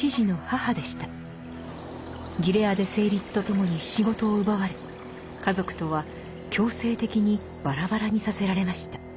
ギレアデ成立とともに仕事を奪われ家族とは強制的にバラバラにさせられました。